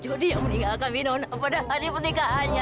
jody yang meninggalkan winona pada hari pernikahannya